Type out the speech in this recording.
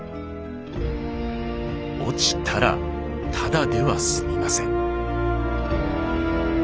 落ちたらただでは済みません。